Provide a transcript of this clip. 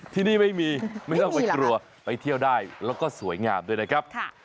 ที่นี่ไม่มีไม่ต้องไปกลัวไปเที่ยวได้แล้วก็สวยงามด้วยนะครับ